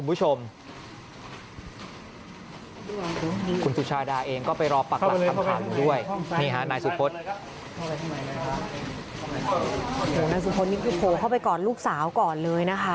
น้องฝนก็วิ่งเข้าไปกอดน้องฝนก็วิ่งเข้าไปกอดน้อง